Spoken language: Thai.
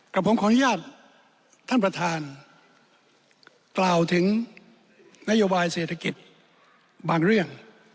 กับผมขออนุญาตท่านประธานกล่าวถึงนโยบายเศรษฐกิจบางเรื่อง